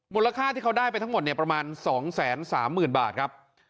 มูลค่าที่เขาได้ไปทั้งหมดเนี่ยประมาณ๒๓๐๐๐บาทครับ